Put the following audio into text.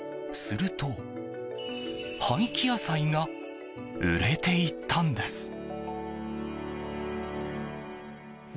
すると、廃棄野菜が売れていったんです。